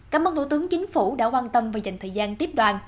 cảm ơn thủ tướng chính phủ đã quan tâm và dành thời gian tiếp đoàn